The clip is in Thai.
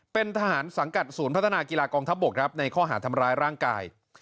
เป็นทหารสังกัดศูนย์พัฒนากีฬากองทัพบกครับในข้อหาทำร้ายร่างกาย